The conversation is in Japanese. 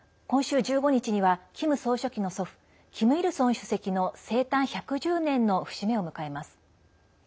今週１５日にはキム総書記の祖父キム・イルソン主席の生誕１１０年の節目を迎えます。